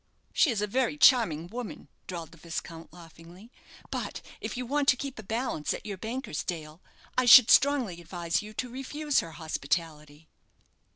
"She is a very charming woman," drawled the viscount, laughingly; "but if you want to keep a balance at your banker's, Dale, I should strongly advise you to refuse her hospitality."